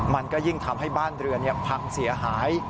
มันก็ยิ่งทำให้บ้านเรือนพังเสียหาย